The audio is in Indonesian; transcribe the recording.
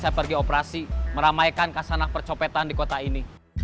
saya pergi operasi meramaikan kasanah percopetan di kota ini